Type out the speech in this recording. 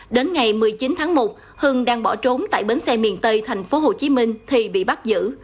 đến ngày một mươi chín tháng một hưng đang bỏ trốn tại bến xe miền tây tp hcm thì bị bắt giữ